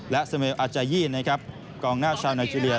และสเมลอาจายีนะครับกองหน้าชาวไนเจรีย